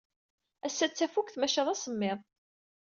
Ass-a d tafukt, maca d asemmiḍ.